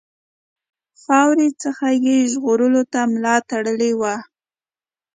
خاورې څخه یې ژغورلو ته ملا تړلې وه.